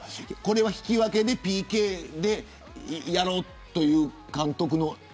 引き分けでＰＫでやろうという監督の。